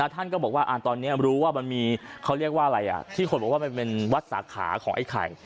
ท่านก็บอกว่าตอนนี้รู้ว่ามันมีเขาเรียกว่าอะไรที่คนบอกว่ามันเป็นวัดสาขาของไอ้ไข่